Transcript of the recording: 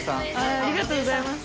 ありがとうございます。